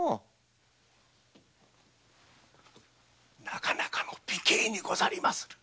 なかなかの美形にございまする。